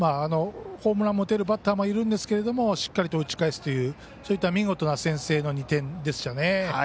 ホームランも打てるバッターもいるんですけどしっかりと打ち返すというそういった見事な先制の２点でしたね。